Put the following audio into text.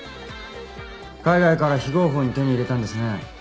海外から非合法に手に入れたんですね。